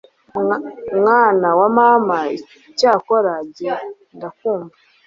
mwana wa mama icyokora jye ndakumva